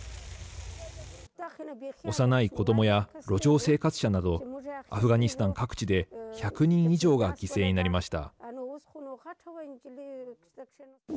幼い子どもや路上生活者などアフガニスタン各地で１００人以上が犠牲になりました。